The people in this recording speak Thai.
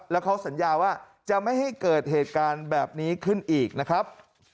แล้วเขาสัญญาว่าจะไม่ให้เกิดเหตุการณ์แบบนี้ขึ้นอีกนะครับ